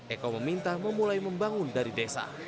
eko meminta memulai membangun dari desa